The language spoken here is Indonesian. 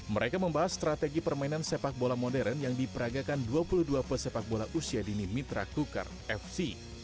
mereka membahas strategi permainan sepak bola modern yang diperagakan dua puluh dua pesepak bola usia dini mitra kukar fc